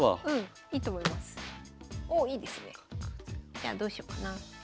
じゃあどうしよっかな。